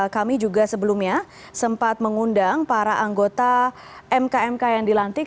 kami juga sebelumnya sempat mengundang para anggota mk mk yang dilantik